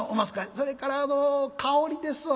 「それからあの香りですわ」。